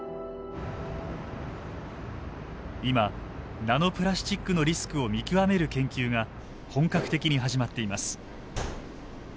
今ナノプラスチックのリスクを見極める研究が本格的に始まっています。